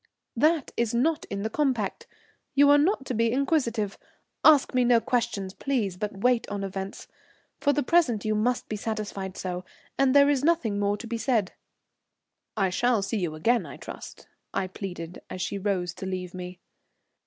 "That is not in the compact. You are not to be inquisitive. Ask me no questions, please, but wait on events. For the present you must be satisfied so, and there is nothing more to be said." "I shall see you again, I trust," I pleaded, as she rose to leave me.